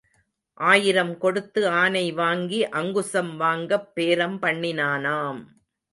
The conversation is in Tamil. ஆயிரம் கொடுத்து ஆனை வாங்கி அங்குசம் வாங்கப் பேரம் பண்ணினானாம்.